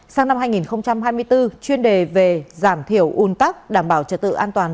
sang năm hai nghìn hai mươi bốn chuyên đề về giảm thiểu un tắc đảm bảo trật tự an toàn